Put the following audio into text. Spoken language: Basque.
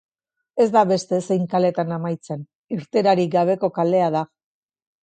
Ez da beste ezein kaletan amaitzen, irteerarik gabeko kalea da.